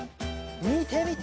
みてみて！